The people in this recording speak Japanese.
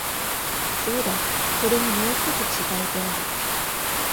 そうだ、それにもう一つ違いがある。